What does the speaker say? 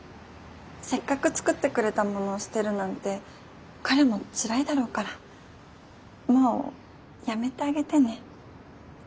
せっかく作ってくれたものを捨てるなんて彼もつらいだろうからもうやめてあげてね。